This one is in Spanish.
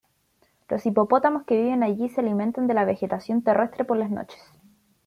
Los hipopótamos que viven allí se alimentan de la vegetación terrestre por las noches.